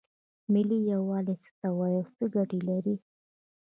ملي یووالی څه ته وایې او څه ګټې لري؟